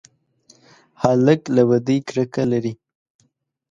هلک له بدۍ کرکه لري.